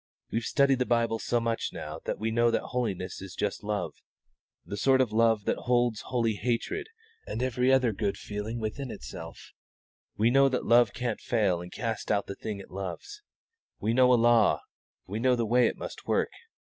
We've studied the Bible so much now that we know that holiness is just love the sort of love that holds holy hatred and every other good feeling within itself. We know that love can't fail and cast out the thing it loves. When we know a law, we know the way it must work.